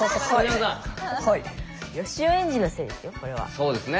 そうですね。